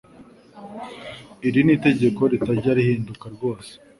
iri nitegeko ritajya rihinduka rwose